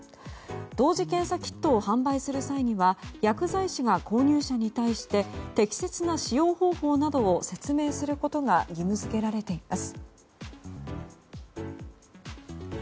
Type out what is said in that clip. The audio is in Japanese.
同時検査キットを販売する際には薬剤師が購入者に対して適切な使用方法などを説明することが義務付けられています。